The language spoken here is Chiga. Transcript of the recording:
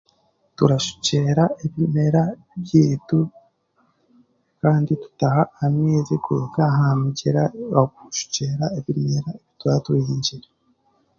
Turashukyera ebimera byaitu kandi tutaha amaizi kuruga aha mugyera kushukyera ebimera ebi twatuhingire tuhingire